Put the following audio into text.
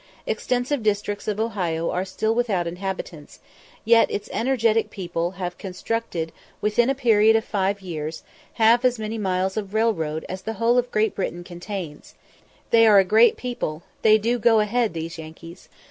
Extensive districts of Ohio are still without inhabitants, yet its energetic people have constructed within a period of five years half as many miles of railroad as the whole of Great Britain contains; they are a "great people" they do "go a head," these Yankees.